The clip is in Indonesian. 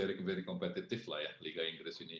saya rasa very very kompetitif lah ya liga inggris ini